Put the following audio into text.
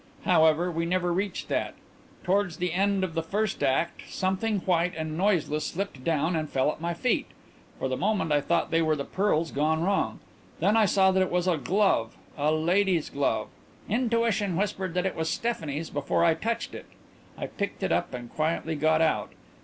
"However, we never reached that. Towards the end of the first act something white and noiseless slipped down and fell at my feet. For the moment I thought they were the pearls gone wrong. Then I saw that it was a glove a lady's glove. Intuition whispered that it was Stephanie's before I touched it. I picked it up and quietly got out.